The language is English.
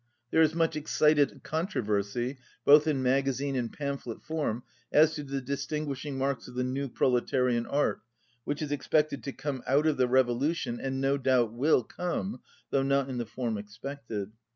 There is much excited controversy both in magazine and pamphlet form as to the distifi guishing marks of the new proletarian art which is expected to come out of the revolution and no doubt will come, though not in the form ex pected.